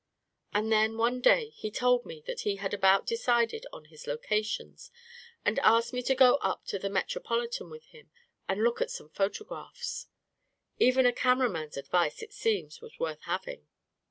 And then one day he told me that he had about decided on his locations, and asked me to go up to the Metro politan with him and look at some photographs. Even a cameraman's advice, it seems, was worth having